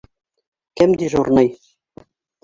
Кем дежурный?